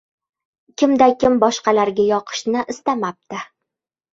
Kimda-kim boshqalarga yoqishni istamabdi